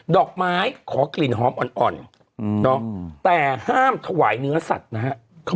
ดอกไม้ขอกลิ่นหอมอ่อนแต่ห้ามถวายเนื้อสัตว์นะฮะ